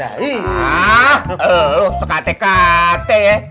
ah lu sekate kate ya